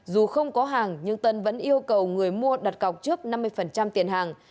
dù không có hàng nhưng tân vẫn yêu cầu người mua đặt cọc trước năm mươi tiền hàng